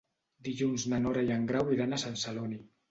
Dilluns na Nora i en Grau iran a Sant Celoni.